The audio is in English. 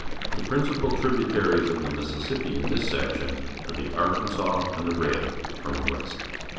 The principal tribu taries of the Mississippi in this section are the Arli ansas a n d the R ed from the west.